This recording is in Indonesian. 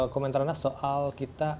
komentarnya soal kita